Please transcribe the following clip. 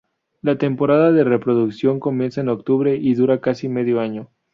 La temporada de reproducción comienza en octubre y dura casi medio año.